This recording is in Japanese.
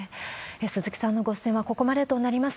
鈴木さんのご出演はここまでとなります。